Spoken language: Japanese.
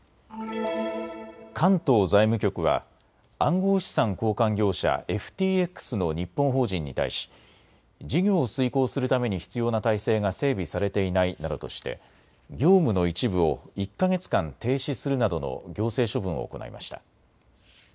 関東財務局は暗号資産交換業者、ＦＴＸの日本法人に対し事業を遂行するために必要な体制が整備されていないなどとして業務の一部を１か月間停止するなどの行政処分を行いました。